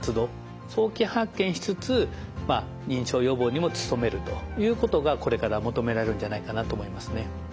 早期発見しつつ認知症予防にも務めるということがこれから求められるんじゃないかなと思いますね。